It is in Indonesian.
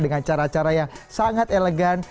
dengan cara cara yang sangat elegan